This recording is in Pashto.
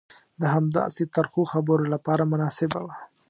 د همداسې ترخو خبرو لپاره مناسبه وه.